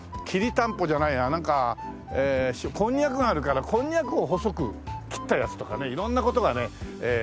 きりたんぽじゃないやなんかこんにゃくがあるからこんにゃくを細く切ったやつとかね色んな事がね。